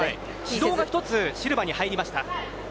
指導が１つシルバに入りました。